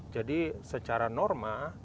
jadi secara norma